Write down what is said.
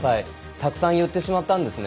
たくさん言ってしまったんですね。